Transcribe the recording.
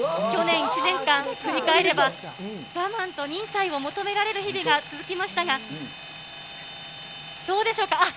去年１年間、振り返れば、我慢と忍耐を求められる日々が続きましたが、どうでしょうか。